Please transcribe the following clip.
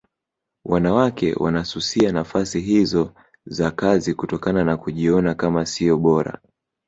Wanawake wanasusia nafasi hizo za kazi kutokana na kujiona kama sio bora